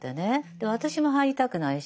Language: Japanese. で私も入りたくないし。